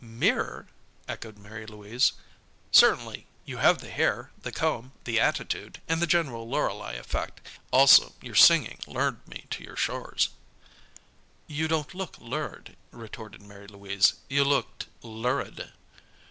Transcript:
"Mirror?" echoed Mary Louise. "Certainly. You have the hair, the comb, the attitude, and the general Lorelei effect. Also your singing lured me to your shores." "You didn't look lured," retorted Mary Louise. "You looked lurid."